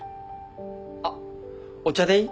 あっお茶でいい？